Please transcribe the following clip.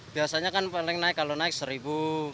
biasanya kan paling naik kalau naik rp satu